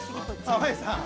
◆川栄さん